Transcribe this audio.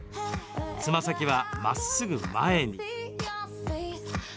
つま先は、まっすぐ前に。